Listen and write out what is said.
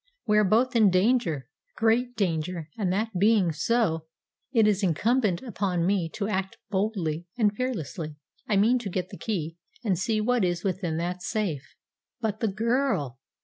"We are both in danger great danger; and that being so, it is incumbent upon me to act boldly and fearlessly. I mean to get the key, and see what is within that safe." "But the girl?"